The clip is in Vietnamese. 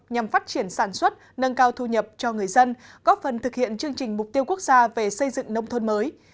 nhằm phát triển sản xuất nâng cao thu nhập cho người dân góp phần thực hiện chương trình mục tiêu quốc gia về xây dựng nông thôn mới